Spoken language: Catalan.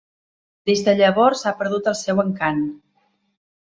Des de llavors ha perdut el seu encant.